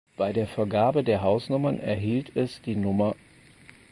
Bei der Vergabe der Hausnummern erhielt es die Nr.